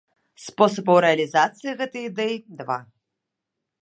Спосабаў рэалізацыі гэтай ідэі два.